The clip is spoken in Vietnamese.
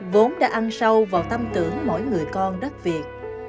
vốn đã ăn sâu vào tâm tưởng mỗi người con đất việt